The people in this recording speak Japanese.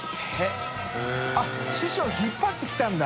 悗А繊師匠引っ張ってきたんだ。